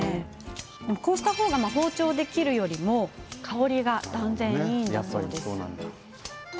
こうした方が包丁で切るよりも断然、香りがいいんだそうです。